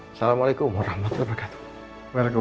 assalamualaikum warahmatullahi wabarakatuh